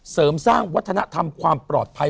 เสริมสร้างวัฒนธรรมความปลอดภัย